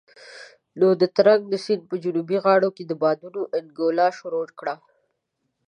نو د ترنک د سيند په جنوبي غاړو کې بادونو انګولا شروع کړه.